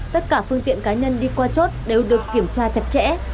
tất cả phương tiện cá nhân đi qua chốt đều được kiểm tra chặt chẽ